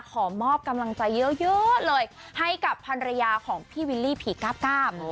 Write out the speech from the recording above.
ขอมอบกำลังใจเยอะเลยให้กับภรรยาของพี่วิลลี่ผีก้าม